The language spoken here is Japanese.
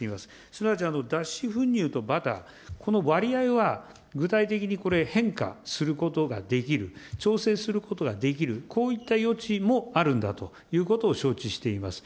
すなわち脱脂粉乳とバター、この割合は具体的にこれ、変化することができる、調整することができる、こういった余地もあるんだということを承知しています。